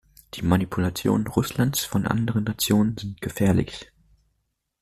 Die Manipulationen Russlands von anderen Nationen sind gefährlich.